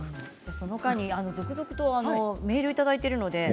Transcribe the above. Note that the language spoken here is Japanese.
続々とメールをいただいています。